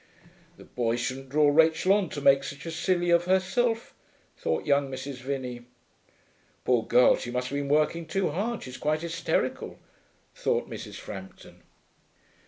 'The boys shouldn't draw Rachel on to make such a silly of herself,' thought young Mrs. Vinney. 'Poor girl, she must have been working too hard, she's quite hysterical,' thought Mrs. Frampton.